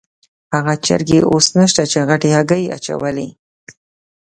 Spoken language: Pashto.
هغه چرګې اوس نشته چې غټې هګۍ یې اچولې.